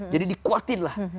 jadi dikuatin lah